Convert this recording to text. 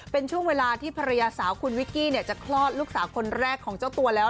เป็นช่วงเวลาที่ภรรยาสาวคุณวิกกี้จะคลอดลูกสาวคนแรกของเจ้าตัวแล้ว